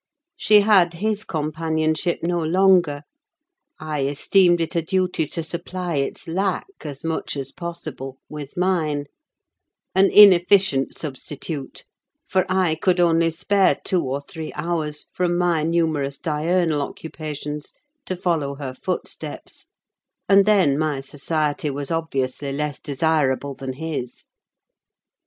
She had his companionship no longer; I esteemed it a duty to supply its lack, as much as possible, with mine: an inefficient substitute; for I could only spare two or three hours, from my numerous diurnal occupations, to follow her footsteps, and then my society was obviously less desirable than his.